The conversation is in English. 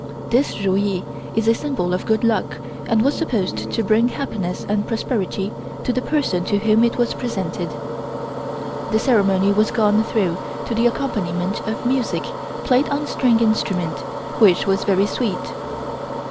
This Ru Yee is a symbol of good luck and was supposed to bring happiness and prosperity to the person to whom it was presented. The ceremony was gone through to the accompaniment of music played on string instruments, which was very sweet.